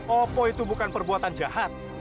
opo itu bukan perbuatan jahat